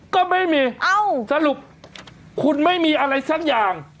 ก็ไม่มีสรุปคุณไม่มีอะไรสักอย่าง